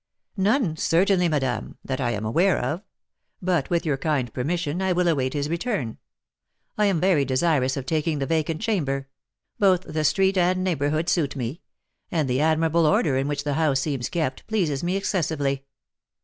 "None, certainly, madame, that I am aware of; but, with your kind permission, I will await his return. I am very desirous of taking the vacant chamber, both the street and neighbourhood suit me; and the admirable order in which the house seems kept pleases me excessively.